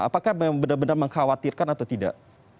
apakah benar benar mengkhawatirkan atau tidak